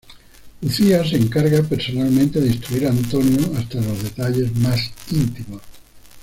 Lucía se encarga, personalmente, de instruir a Antonio hasta en los detalles más íntimos.